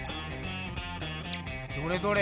どれどれ？